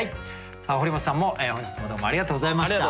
堀本さんも本日もどうもありがとうございました。